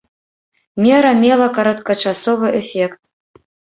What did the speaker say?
Мера мела кароткачасовы эфект.